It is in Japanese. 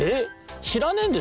しらねえんですか？」。